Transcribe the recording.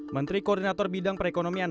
menteri koordinator bidang perekonomian